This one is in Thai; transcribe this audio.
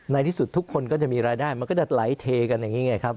ในที่สุดทุกคนก็จะมีรายได้มันก็จะไหลเทกันอย่างนี้ไงครับ